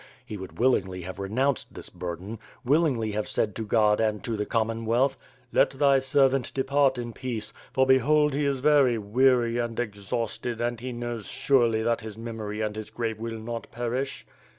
lie would willingly have renounced this burden, willingly have said to God and to the Commonwealth, "Let thy servant depart in peace, for behold he is very weary and exhausted and he knows surely that his memory and his grave will not perish."